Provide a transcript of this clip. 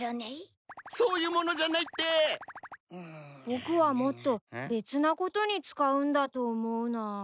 僕はもっと別なことに使うんだと思うなぁ。